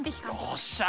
よっしゃ！